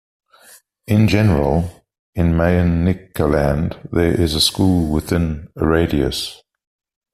In general, in Manicaland, there is a school within a radius.